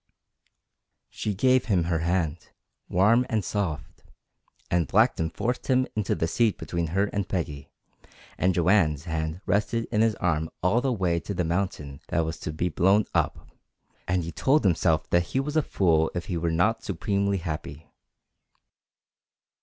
She gave him her hand, warm and soft; and Blackton forced him into the seat between her and Peggy, and Joanne's hand rested in his arm all the way to the mountain that was to be blown up, and he told himself that he was a fool if he were not supremely happy.